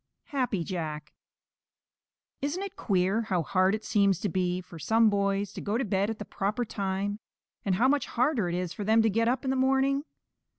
Happy Jack. Isn't it queer how hard it seems to be for some boys to go to bed at the proper time and how much harder it is for them to get up in the morning?